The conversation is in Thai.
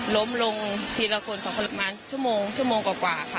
ล้มลงทีละคน๒คนมาชั่วโมงชั่วโมงกว่ากว่าค่ะ